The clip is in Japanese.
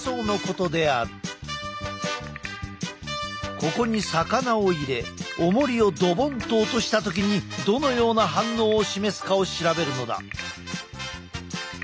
ここに魚を入れおもりをドボンと落とした時にどのような反応を示すかを調べるのだ。